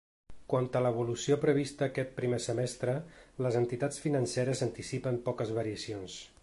Quant a l’evolució prevista aquest primer semestre, les entitats financeres anticipen poques variacions.